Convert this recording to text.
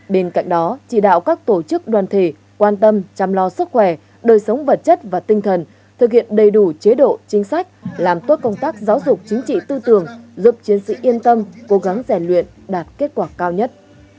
bên cạnh đó chỉ đạo các tổ chức đoàn thể quan tâm chăm lo sức khỏe đời sống vật chất và tinh thần thực hiện đầy đủ chế độ chính sách làm tốt công tác giáo dục chính trị tư tưởng giúp chiến sĩ yên tâm cố gắng giải luyện đạt kết quả cao nhất